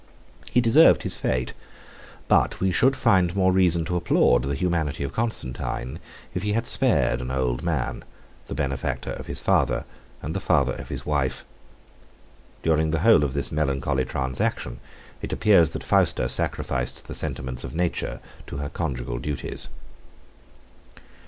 He deserved his fate; but we should find more reason to applaud the humanity of Constantine, if he had spared an old man, the benefactor of his father, and the father of his wife. During the whole of this melancholy transaction, it appears that Fausta sacrificed the sentiments of nature to her conjugal duties.